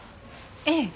ええ。